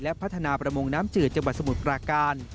และพัฒนาประมงน้ำจืดจังหวัดสมุทรปราการ